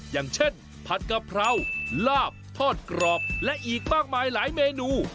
อย่างเช่นผัดกะเพราลาบทอดกรอบและอีกมากมายหลายเมนู